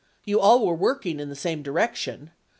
You all were working in the same direction.